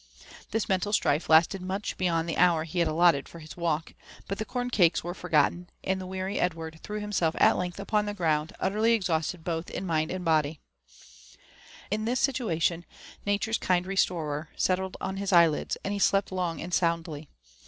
This mental strife lasted much beyond the hour he had allotted for his walk ; but the corn cakes were forgotten, and the weary Edward threw himself at length upon the ground utterly exhausted bplh in mind and body. B8 LIFE AND ADVENTURES OF In this situation, Nature's kind restorer" settled on his eyelids, and he slept long and soundly.